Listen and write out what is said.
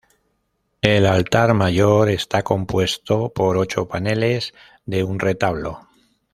El altar mayor está compuesto por ocho paneles de un retablo.